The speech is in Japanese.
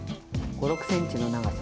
５６ｃｍの長さ。